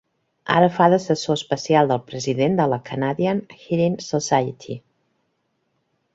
Ara fa d'assessor especial del president de la Canadian Hearing Society.